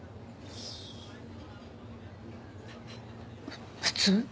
ふ普通？